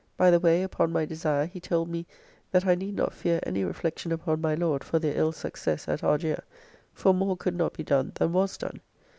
By the way, upon my desire, he told me that I need not fear any reflection upon my Lord for their ill success at Argier, for more could not be done than was done.